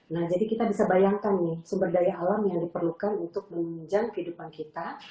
nah jadi kita bisa bayangkan nih sumber daya alam yang diperlukan untuk menunjang kehidupan kita